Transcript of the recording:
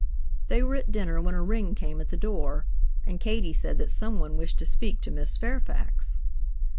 They were at dinner when a ring came at the door, and Katie said that someone wished to speak to Miss Fairfax.